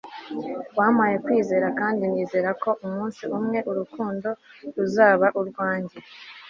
wampaye kwizera kandi nizera ko umunsi umwe urukundo ruzaba urwanjye